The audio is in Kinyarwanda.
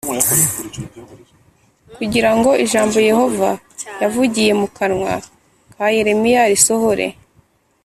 kugira ngo ijambo Yehova yavugiye mu kanwa ka Yeremiya risohore